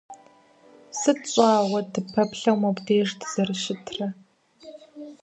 Сыт щӀа уэ дыппэплъэу мобдеж дызэрыщытрэ.